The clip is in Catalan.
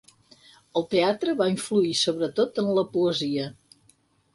El teatre va influir, sobretot en la poesia.